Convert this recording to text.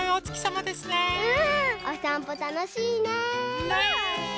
うんおさんぽたのしいね。ね。